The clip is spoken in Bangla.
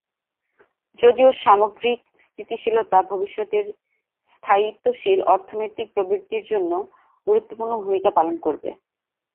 যদিও সামগ্রিক স্থিতিশীলতা ভবিষ্যতের স্থায়িত্বশীল অর্থনৈতিক প্রবৃদ্ধির জন্য গুরুত্বপূর্ণ ভূমিকা পালন করবে।